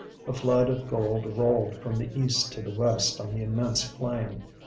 A flood of gold rolled from the east to the west on the immense plain.